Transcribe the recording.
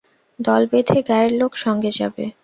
দল বেঁধে গাঁয়ের লোক সঙ্গে যাবে।